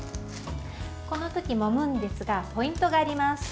この時、もむんですがポイントがあります。